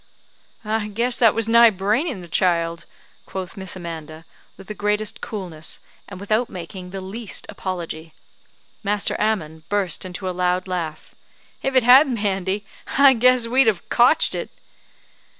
"I guess that was nigh braining the child," quoth Miss Amanda, with the greatest coolness, and without making the least apology. Master Ammon burst into a loud laugh. "If it had, Mandy, I guess we'd have cotched it."